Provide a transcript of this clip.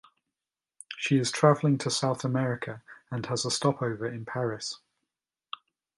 She is traveling to South America and has a stopover in Paris.